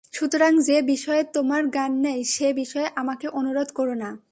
সুতরাং যে বিষয়ে তোমার জ্ঞান নেই, সে বিষয়ে আমাকে অনুরোধ করো না।